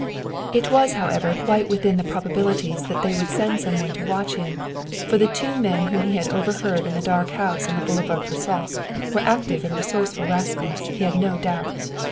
It was, however, quite within the probabilities that they would send some one to watch him, for the two men whom he had overheard in the dark house on the Boulevard Froissart were active and resourceful rascals, he had no doubt.